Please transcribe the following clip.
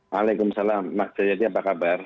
waalaikumsalam mas jayadi apa kabar